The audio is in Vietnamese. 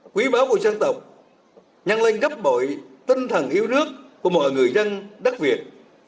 quý báo của dân tộc nhăn lanh gấp bội tân thẳng yêu nước của mọi người dân đất việt